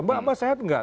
mbak mbak sehat nggak